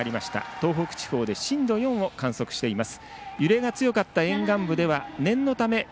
東北地方で震度４を観測しています。